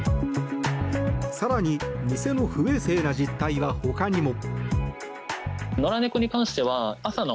更に店の不衛生な実態はほかにも。